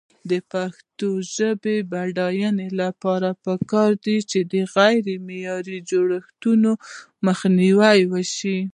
د پښتو ژبې د بډاینې لپاره پکار ده چې غیرمعیاري جوړښتونه مخنیوی شي.